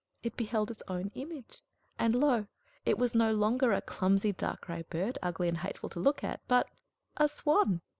It beheld its own image; and, lo! it was no longer a clumsy dark gray bird, ugly and hateful to look at, but a swan!